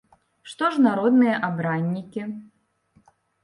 Што ж народныя абраннікі?